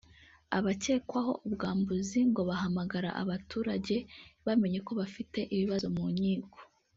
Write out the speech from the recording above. Abakekwaho ubwambuzi ngo bahamagaraga abaturage bamenye ko bafite ibibazo mu nkiko